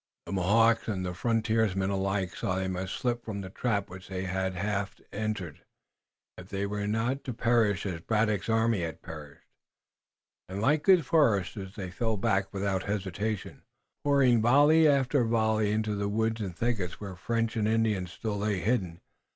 The Mohawks and the frontiersmen alike saw they must slip from the trap, which they had half entered, if they were not to perish as Braddock's army had perished, and like good foresters they fell back without hesitation, pouring volley after volley into the woods and thickets where French and Indians still lay hidden.